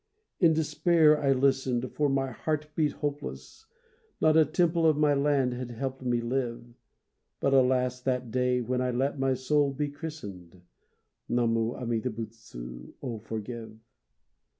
In despair I listened For my heart beat hopeless, Not a temple of my land had helped me live. But alas that day When I let my soul be christened! Namu Amida Butsu, O forgive!